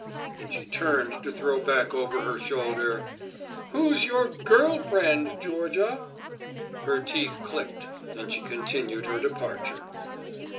and she turned to throw back over her shoulder, "Who's your girl friend, Georgia?" Her teeth clicked and she continued her departure.